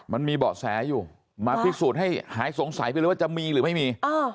มันมีเบาะแสอยู่มาพิสูจน์ให้หายสงสัยไปเลยว่าจะมีหรือไม่มี